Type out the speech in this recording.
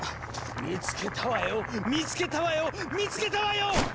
見つけたわよ見つけたわよ見つけたわよ！